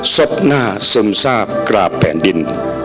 ซบหน้าซึมทราบกราบแผ่นดิน